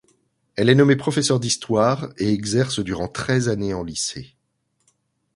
Elle est nommée professeur d'histoire et exerce durant treize années en lycée.